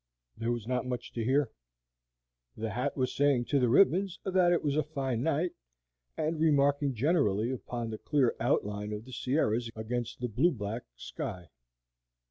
There was not much to hear. The hat was saying to the ribbons that it was a fine night, and remarking generally upon the clear outline of the Sierras against the blue black sky.